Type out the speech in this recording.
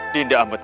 dinda amat kasih